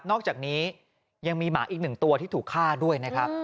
อกจากนี้ยังมีหมาอีกหนึ่งตัวที่ถูกฆ่าด้วยนะครับ